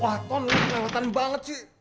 wah ton lo kelewatan banget sih